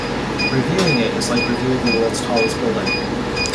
Reviewing it is like reviewing the world's tallest building.